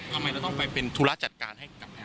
ทำไมเราต้องไปเป็นธุระจัดการให้กับแม่